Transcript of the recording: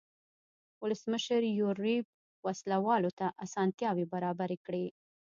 ولسمشر یوریب وسله والو ته اسانتیاوې برابرې کړې.